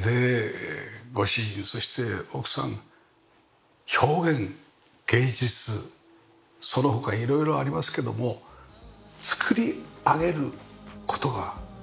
でご主人そして奥さん表現芸術その他色々ありますけども作り上げる事が大好きで。